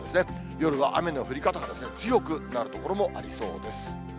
夜は雨の降り方が強くなる所もありそうです。